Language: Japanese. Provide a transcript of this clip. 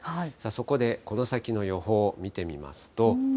そこでこの先の予報を見てみますと。